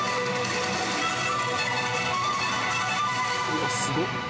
うわすごっ。